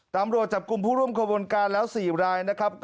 ตำรวจจับกลุ่มผู้ร่วมขบวนการแล้ว๔รายนะครับ